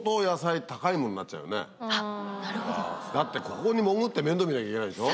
だってここに潜って面倒見なきゃいけないんでしょ。